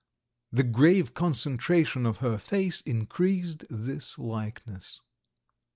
The grave concentration of her face increased this likeness.